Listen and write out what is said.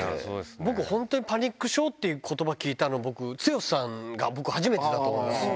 僕、本当にパニック症っていうことば聞いたの、僕、剛さんが、僕、初めてだと思います。